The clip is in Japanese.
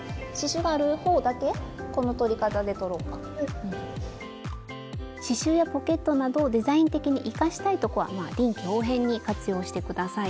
スタジオ刺しゅうやポケットなどデザイン的に生かしたいとこは臨機応変に活用して下さい。